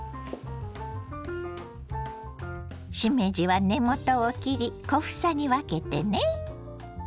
しめじは根元を切り小房に分けてね。